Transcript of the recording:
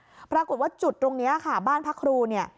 ปรากฏว่าจุดตรงนี้ค่ะบ้านพระครูเนี่ย